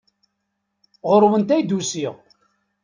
Ɣer-went ay d-usiɣ.